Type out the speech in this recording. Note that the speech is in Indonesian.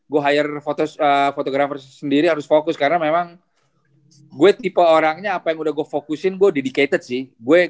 gue hire fotografer sendiri harus fokus karena memang gue tipe orangnya apa yang udah gue fokusin gue dedicated sih